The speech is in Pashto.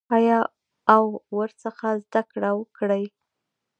آیا او ورڅخه زده کړه وکړي؟